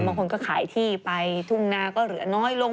บางคนก็ขายที่ไปทุ่งนาก็เหลือน้อยลง